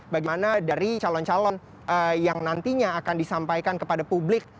bagaimana dari calon calon yang nantinya akan disampaikan kepada publik